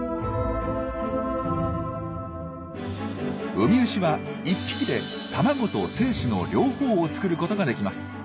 ウミウシは１匹で卵と精子の両方を作ることができます。